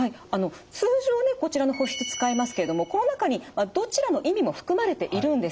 通常ねこちらの保湿使いますけれどもこの中にどちらの意味も含まれているんです。